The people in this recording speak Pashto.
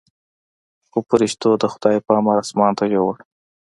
خو پرښتو د خداى په امر اسمان ته يووړ.